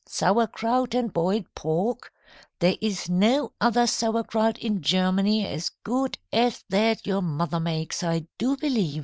Sauerkraut and boiled pork. There is no other sauerkraut in Germany as good as that your mother makes, I do believe.